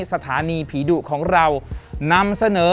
สถานีผีดุของเรานำเสนอ